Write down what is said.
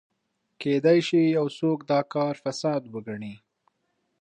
کېدای شي یو څوک دا کار فساد وګڼي.